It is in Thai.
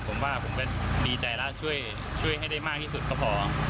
ผมว่าผมก็ดีใจแล้วช่วยให้ได้มากที่สุดก็พอ